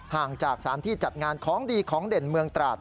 ห่างจากสารที่จัดงานของดีของเด่นเมืองตราด